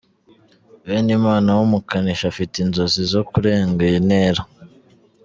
Benimana w’umukanishi afite inzozi zo kurenga iyi ntera